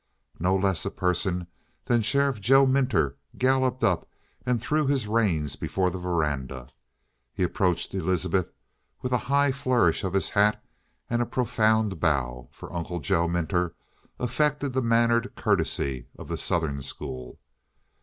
No less a person than Sheriff Joe Minter galloped up and threw his reins before the veranda. He approached Elizabeth with a high flourish of his hat and a profound bow, for Uncle Joe Minter affected the mannered courtesy of the "Southern" school.